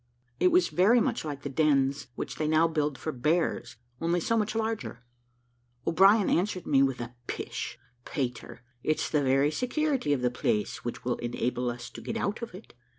It was very much like the dens which they now build for bears, only so much larger. O'Brien answered me with a "Pish! Peter, it's the very security of the place which will enable us to get out of it.